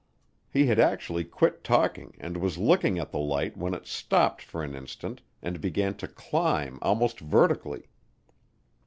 He had actually quit talking and was looking at the light when it stopped for an instant and began to climb almost vertically.